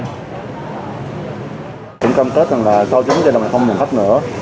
chị cũng công kết rằng là sau chứng chứa là mình không nhận khách nữa